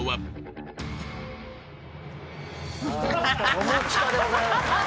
友近でございます。